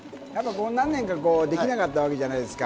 何年かできなかったわけじゃないですか。